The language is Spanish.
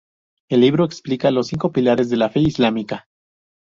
El libro explica los cinco pilares de la fe islámica.